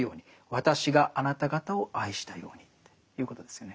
私があなた方を愛したようにということですよね。